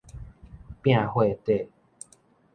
摒貨底